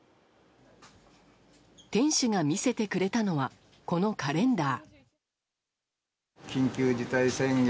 店主が見せてくれたのはこのカレンダー。